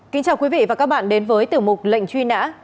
kính chào quý vị và các bạn đến với tiểu mục lệnh truy nã